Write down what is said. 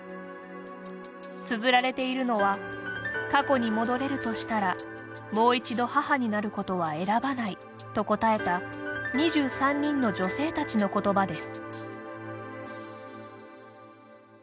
つづられているのは「過去に戻れるとしたらもう一度母になることは選ばない」と答えた２３人の女性たちの言葉です。